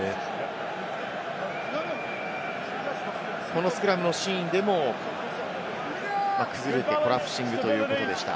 このスクラムのシーンでも崩れてコラプシングということでした。